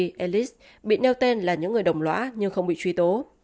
giuliani ellis bị nêu tên là những người đồng lõa nhưng không bị truy tố